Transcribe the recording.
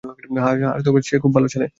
হ্যাঁঁ, সে খুব ভালো ছেলে।